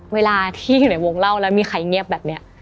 เวลาที่อยู่ในวงเล่าแล้วมีใครเงียบแบบนี้